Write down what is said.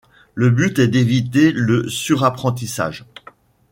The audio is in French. Le but est d'éviter le surapprentissage.